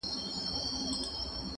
او ستا پت مي په مالت کي دی ساتلی -